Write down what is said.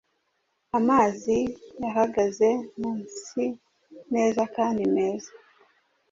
Amazi yahagaze munsineza kandi meza